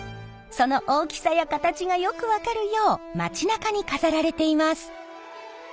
その大きさや形がよく分かるよう街なかに飾られています。